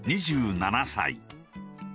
２７歳。